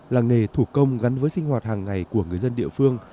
làng nghề thủ công gắn với sinh hoạt hàng ngày của người dân địa phương